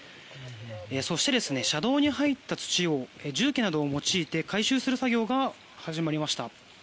そして、車道に入った土を重機などを用いて回収する作業が始まりました。